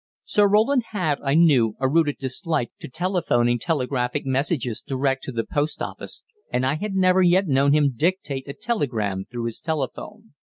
Sir Roland had, I knew, a rooted dislike to telephoning telegraphic messages direct to the post office, and I had never yet known him dictate a telegram through his telephone.